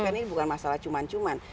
karena ini bukan masalah cuma cuman